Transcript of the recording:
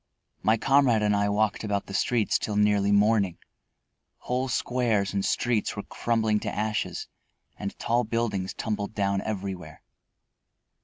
My comrade and I walked about the streets till nearly morning. Whole squares and streets were crumbling to ashes and tall buildings tumbled down everywhere.